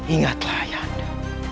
ingatlah ayah anda